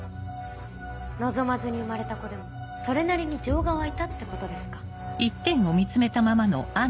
望まずに生まれた子でもそれなりに情が湧いたってことですか。